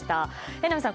榎並さん